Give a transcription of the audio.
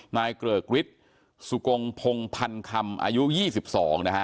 เกริกฤทธิ์สุกงพงพันคำอายุ๒๒นะฮะ